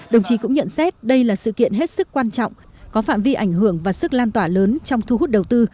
đồng chí cũng nhận xét đây là sự kiện hết sức quan trọng có phạm vi ảnh hưởng và sức lan tỏa lớn trong thu hút đầu tư